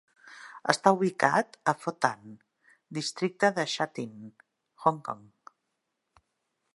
Està ubicat a Fo Tan, districte de Sha Tin, Hong Kong.